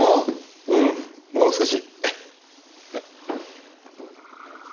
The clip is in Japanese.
うんもう少し。